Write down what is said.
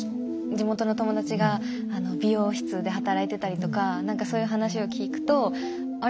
地元の友達が美容室で働いてたりとかなんかそういう話を聞くとあれ？